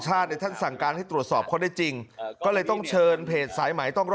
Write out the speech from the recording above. และท่านสั่งการที่ตรวจสอบเขาได้จริง